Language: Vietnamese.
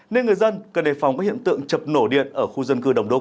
nên người dân cần đề phòng các hiện tượng chập nổ điện ở khu dân cư đồng đúc